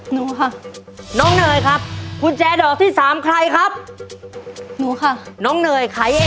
หนูค่ะ